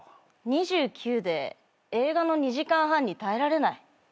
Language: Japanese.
２９で映画の２時間半に耐えられない。